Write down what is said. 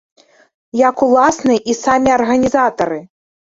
Як, уласна, і самі арганізатары.